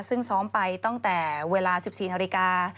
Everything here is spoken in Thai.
ซึ่งซ้อมไปตั้งแต่เวลา๑๔นาฬิกา